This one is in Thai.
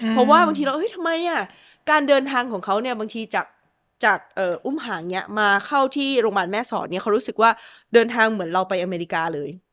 เพราะว่าบางทีเราทำไมการเดินทางของเขาเนี่ยบางทีจากอุ้มหางนี้มาเข้าที่โรงพยาบาลแม่สอดเนี่ยเขารู้สึกว่าเดินทางเหมือนเราไปอเมริกาเลย